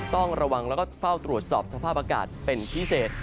ต้องระวังแล้วก็เฝ้าตรวจสอบสภาพอากาศเป็นพิเศษ